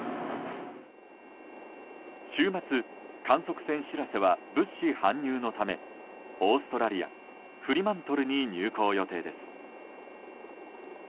週末、観測船「しらせ」は物資搬入のためオーストラリア・フリマントルに入港予定です。